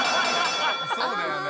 そうだよね。